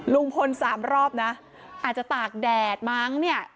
ลุงพล๓รอบนะอาจจะตากแดดมั้งเนี่ย